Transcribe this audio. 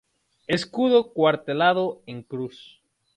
Escudo cuartelado en cruz.